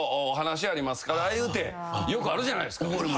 よくあるじゃないですか。